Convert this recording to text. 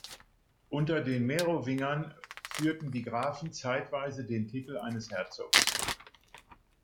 Unter den Merowingern führten die Grafen zeitweise den Titel eines Herzogs.